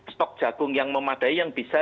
stok jagung yang memadai yang bisa